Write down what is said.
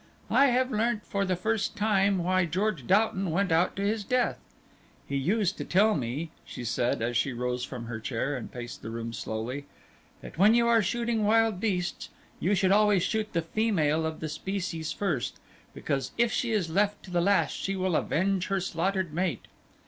I have learnt for the first time why George Doughton went out to his death. He used to tell me," she said, as she rose from her chair, and paced the room slowly, "that when you are shooting wild beasts you should always shoot the female of the species first, because if she is left to the last she will avenge her slaughtered mate.